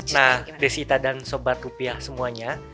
nah desita dan sobat rupiah semuanya